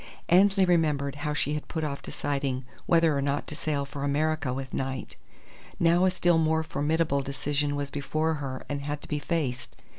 Annesley remembered how she had put off deciding whether or not to sail for America with Knight. Now a still more formidable decision was before her and had to be faced.